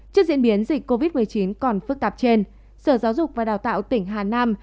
trước diễn biến dịch covid một mươi chín còn phức tạp trên sở giáo dục và đào tạo tỉnh hà nam